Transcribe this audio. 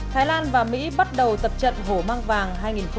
thái lan và mỹ bắt đầu tập trận hổ mang vàng hai nghìn một mươi chín